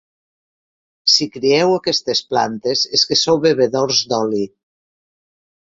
Si crieu aquestes plantes és que sou bevedors d'oli.